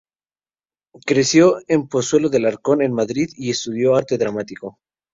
Creció en Pozuelo de Alarcón, en Madrid, y estudió Arte Dramático.